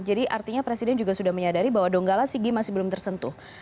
jadi artinya presiden juga sudah menyadari bahwa donggala sigi masih belum tersentuh